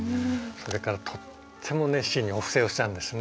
それからとっても熱心にお布施をしたんですね。